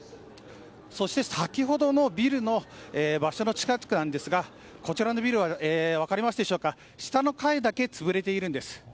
そして、先ほどのビルの場所の近くなんですがこちらのビルは下の階だけ潰れているんです。